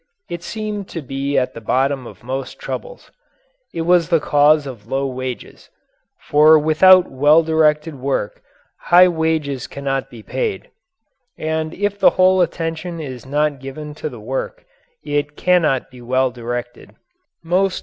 It seemed to be at the bottom of most troubles. It was the cause of low wages for without well directed work high wages cannot be paid. And if the whole attention is not given to the work it cannot be well directed.